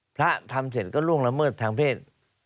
พระทำเสร็จก็ล่วงละเมิดทางเพศ